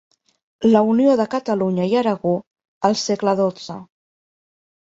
La unió de Catalunya i Aragó al segle dotze.